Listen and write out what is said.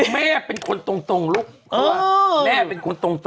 แม่เป็นคนตรงลูกคือแม่เป็นคนตรง